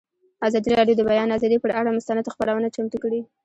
ازادي راډیو د د بیان آزادي پر اړه مستند خپرونه چمتو کړې.